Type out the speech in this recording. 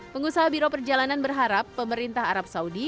pengusaha biro perjalanan berharap pemerintah arab saudi